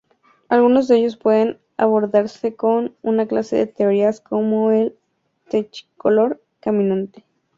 Algunos de ellos pueden abordarse con una clase de teorías como el technicolor "caminante".